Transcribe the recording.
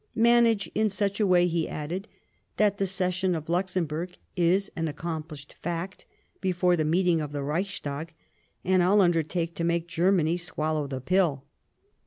" Manage in such a way," he added, "that the cession of Luxemburg is an accomplished fact before the meeting of the Reichstag, and I'll under take to make Germany swallow the pill."